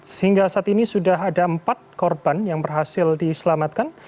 sehingga saat ini sudah ada empat korban yang berhasil diselamatkan